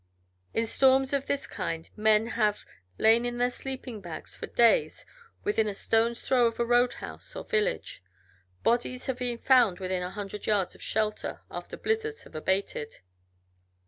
In storms of this kind men have lain in their sleeping bags for days within a stone's throw of a road house or village. Bodies have been found within a hundred yards of shelter after blizzards have abated.